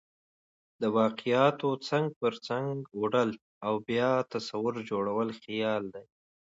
د واقعاتو څنګ پر څنګ اوډل او بیا تصویر جوړل خیال دئ.